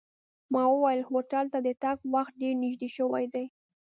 ما وویل هوټل ته د تګ وخت ډېر نږدې شوی دی.